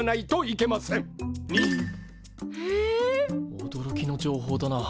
おどろきの情報だな。